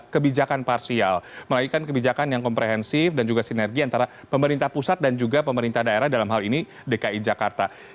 kebijakan parsial melainkan kebijakan yang komprehensif dan juga sinergi antara pemerintah pusat dan juga pemerintah daerah dalam hal ini dki jakarta